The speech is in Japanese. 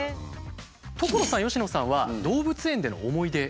所さん佳乃さんは動物園での思い出